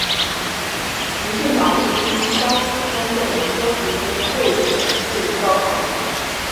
民进党亦抨击张锦昆阵营多次因贿选罪遭判刑。